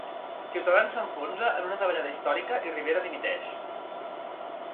Ciutadans s'enfonsa en una davallada històrica i Rivera dimiteix.